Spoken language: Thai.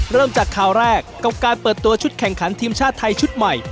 เริ่มจากข่าวแรกกับการเปิดตัวชุดแข่งขันทีมชาติไทยชุดใหม่